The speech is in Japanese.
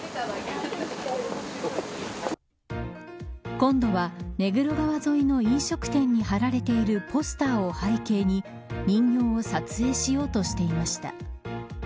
今度は、目黒川沿いの飲食店に貼られているポスターを背景に人形を撮影しようとしていました。